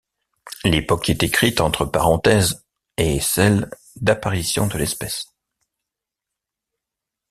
L’époque qui est écrite entre parenthèses est celle d'apparition de l'espèce.